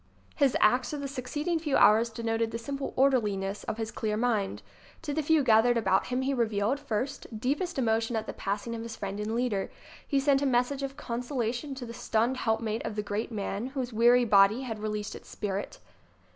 His acts of the succeeding few hours denoted the simple orderliness of his clear mind. To the few gathered about him he revealed, first, deepest emo tion at the passing of his friend and leader. He sent a message of consolation to the stunned helpmate of the great man whose weary body had released its spirit.